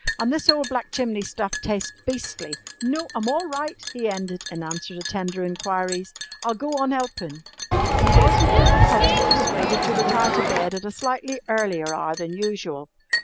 An' this ole black chimney stuff tastes beastly. No, I'm all right," he ended, in answer to tender inquiries. "I'll go on helpin'." He was with difficulty persuaded to retire to bed at a slightly earlier hour than usual.